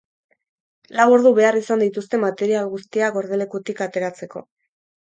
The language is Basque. Lau ordu behar izan dituzte material guztia gordelekutik ateratzeko.